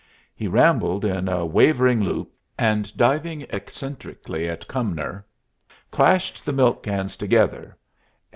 He rambled in a wavering loop, and diving eccentrically at Cumnor, clashed the milk cans together.